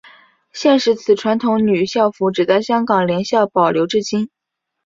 现时此传统女校服只在香港联校保留至今。